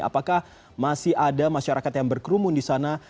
apakah masih ada masyarakat yang berkerumun di sana